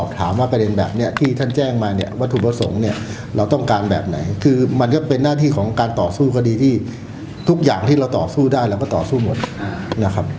ถามว่าประเด็นแบบนี้ที่ท่านแจ้งมาเนี่ยวัตถุประสงค์เนี่ยเราต้องการแบบไหนคือมันก็เป็นหน้าที่ของการต่อสู้คดีที่ทุกอย่างที่เราต่อสู้ได้เราก็ต่อสู้หมดนะครับ